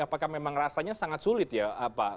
apakah memang rasanya sangat sulit ya